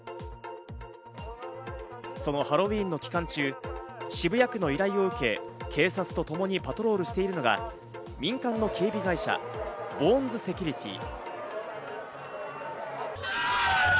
そのハロウィーン期間中、渋谷区の依頼を受け、警察とともにパトロールしているのが民間の警備会社ボーンズセキュリティー。